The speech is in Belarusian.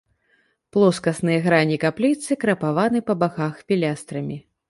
Плоскасныя грані капліцы крапаваны па баках пілястрамі.